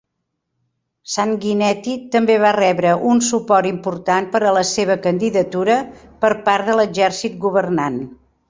Sanguinetti també va rebre un suport important per a la seva candidatura per part de l'exèrcit governant.